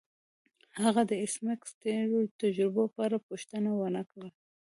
هغه د ایس میکس د تیرو تجربو په اړه پوښتنه ونه کړه